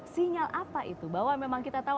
sinyal apa itu bahwa memang kita tahu